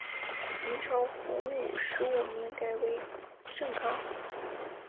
明朝洪武十五年改为镇康府。